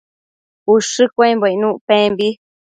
ushë cuembo icnuc pembi